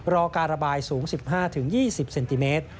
รอการระบายสูง๑๕๒๐เซนติเมตร